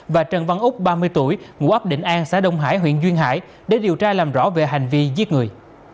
và trần văn úc ba mươi tuổi ngụ ấp định an xã đông hải huyện duyên hải để điều tra làm rõ về hành vi giết người